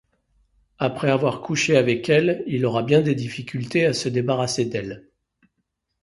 Après avoir couché avec elle, il aura bien des difficultés à se débarrasser d'elle.